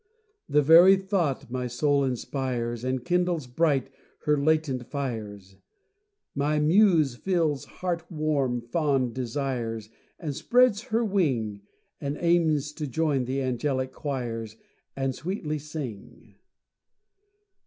The very thought my soul inspires, And kindles bright her latent fires; My Muse feels heart warm fond desires, And spreads her wing, And aims to join th' angelic choirs, And sweetly sing.